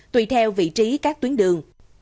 tùy theo vị trí các tuyến đường